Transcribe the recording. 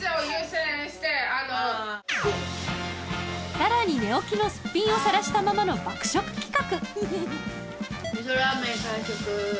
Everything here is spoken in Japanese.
さらに寝起きのスッピンをさらしたままの爆食企画